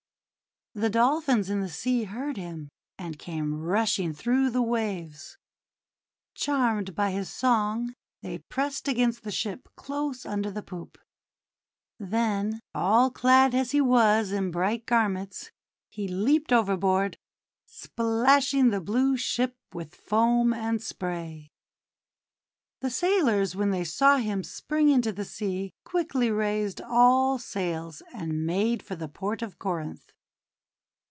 The Dolphins in the sea heard him, and came rushing through the waves. Charmed by his song they pressed against the ship close under the poop. Then, all clad as he was in bright garments, he leaped overboard, splashing the blue ship with foam and spray. The sailors, when they saw him spring into the sea, quickly raised all sails, and made for the port of Corinth.